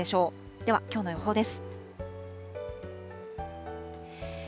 では、きょうの予報です。